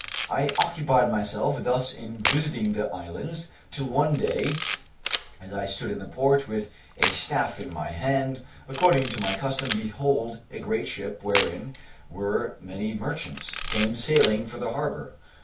I occupied myself thus in visiting the islands, till one day, as I stood in the port, with a staff in my hand, according to my custom, behold, a great ship, wherein were many merchants, came sailing for the harbor.